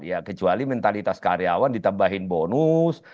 ya kecuali mentalitas karyawan ditambahin bonus